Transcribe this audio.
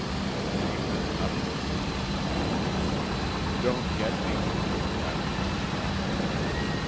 The name meant nothing to him. "Don't get me?" laughed Comstock.